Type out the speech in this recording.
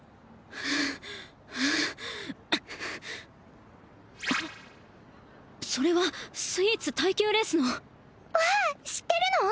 はあはあそれはスイーツ耐久レースのわっ知ってるの？